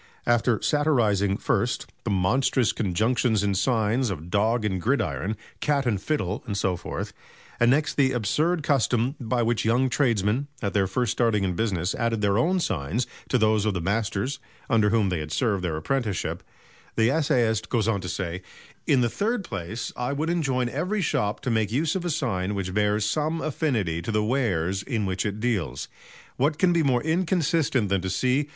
After satirizing first, the monstrous conjunctions in signs of "Dog and Gridiron," "Cat and Fiddle" and so forth; and next the absurd custom by which young tradesmen, at their first starting in business, added their own signs to those of the masters under whom they had served their apprenticeship; the essayist goes on to say: "In the third place I would enjoin every shop to make use of a sign which bears some affinity to the wares in which it deals. What can be more inconsistent than to see